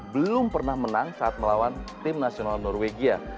belum pernah menang saat melawan tim nasional norwegia